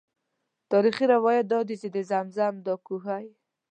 تاریخي روایات دادي چې د زمزم دا کوهی.